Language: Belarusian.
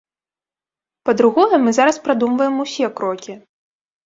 Па-другое, мы зараз прадумваем усе крокі.